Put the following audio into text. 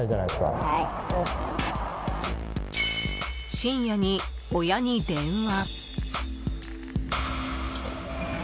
深夜に、親に電話。